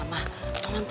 mama nanti ngerasa berdosa